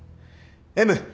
Ｍ。